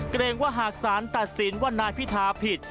เกรงว่าหากสารตัดสินว่านายพิธาผิด